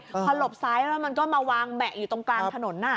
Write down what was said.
พอหลบซ้ายแล้วมันก็มาวางแบะอยู่ตรงกลางถนน